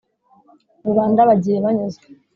rubanda bagiye banyuzwe